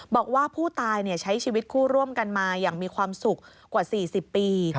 บอกว่าผู้ตายใช้ชีวิตคู่ร่วมกันมาอย่างมีความสุขกว่า๔๐ปี